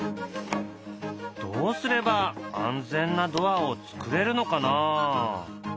どうすれば安全なドアを作れるのかな？